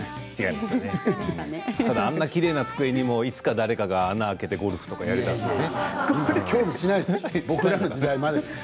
あんなにきれいな机にもいつか誰かが穴を開けてゴルフとかやり始めるんですよね。